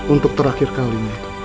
untuk terakhir kali